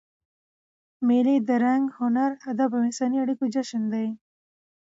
مېلې د رنګ، هنر، ادب او انساني اړیکو جشن دئ.